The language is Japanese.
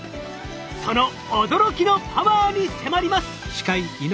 その驚きのパワーに迫ります！